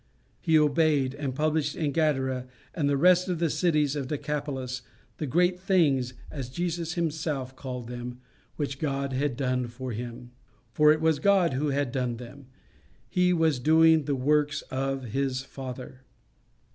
He obeyed, and published in Gadara, and the rest of the cities of Decapolis, the great things, as Jesus himself called them, which God had done for him. For it was God who had done them. He was doing the works of his Father.